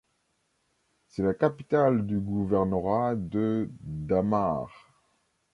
C'est la capitale du Gouvernorat de Dhamar.